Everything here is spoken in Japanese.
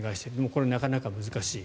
これ、なかなか難しい。